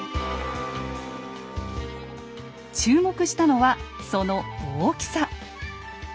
注目したのはその大きさ。